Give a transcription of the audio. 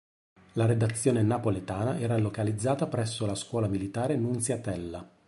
La redazione "napoletana" era localizzata presso la Scuola Militare Nunziatella.